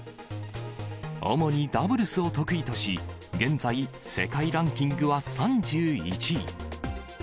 主にダブルスを得意とし、現在、世界ランキングは３１位。